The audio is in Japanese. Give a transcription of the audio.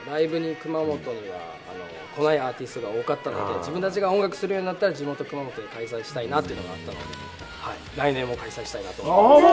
熊本には来ないアーティストが多かったんで、自分たちが音楽するようになったら、地元・熊本で開催したいなと思って、来年も開催したいなと思ってます。